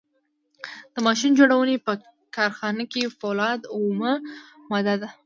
د ماشین جوړونې په کارخانه کې فولاد اومه ماده ده.